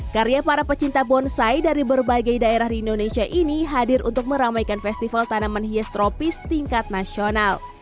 karya para pecinta bonsai dari berbagai daerah di indonesia ini hadir untuk meramaikan festival tanaman hias tropis tingkat nasional